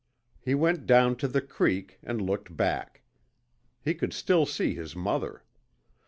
He went down to the creek, and looked back. He could still see his mother.